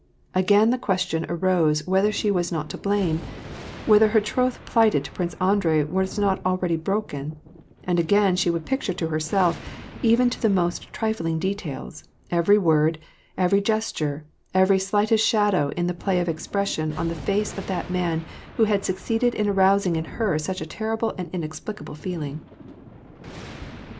Again the question arose whether she was not to blame, whether her troth plighted to Prince Andrei were not already broken ; and again she would picture to herself, even to the most trifling details, every word, every gesture, every slightest shadow in the play of expression on the face of that man who had succeeded in arousing in her such a terrible and inexplicable feeling.